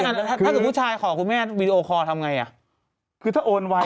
ต้องมีแต่คนในโซเชียลว่าถ้ามีข่าวแบบนี้บ่อยทำไมถึงเชื่อขนาดใด